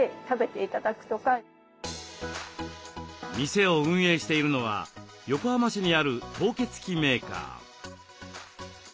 店を運営しているのは横浜市にある凍結機メーカー。